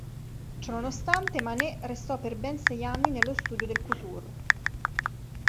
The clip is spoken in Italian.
Ciononostante Manet restò per ben sei anni nello studio del Couture.